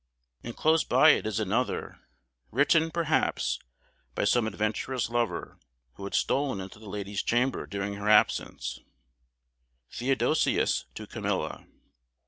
And close by it is another, written, perhaps, by some adventurous lover, who had stolen into the lady's chamber during her absence: "THEODOSIUS TO CAMILLA.